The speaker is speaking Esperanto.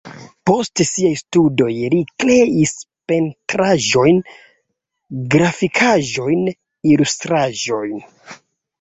Post siaj studoj li kreis pentraĵojn, grafikaĵojn, ilustraĵojn.